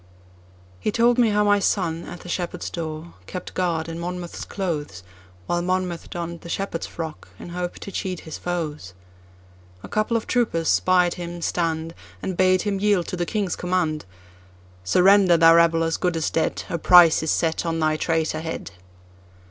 He told how my son, at the shepherd's door, kept guard in Monmouth's clothes, While Monmouth donned the shepherd's frock, in hope to cheat his foes.A couple of troopers spied him stand, And bade him yield to the King's command:"Surrender, thou rebel as good as dead,A price is set on thy traitor head!"